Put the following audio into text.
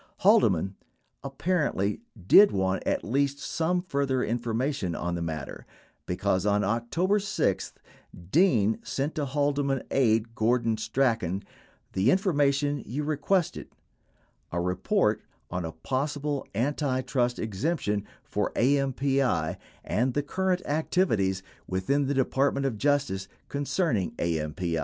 Haldeman, apparently, did want at least some further information on the matter, because on October 6, Dean sent to Haldeman aide, Gordon Strachan, "the information you requested" — a report on a possible antitrust exemption for AMPI and the "current activities within the Department of Justice" concerning AMPI.